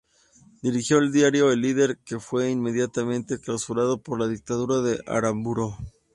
Dirigió el diario "El Líder", que fue inmediatamente clausurado por la dictadura de Aramburu.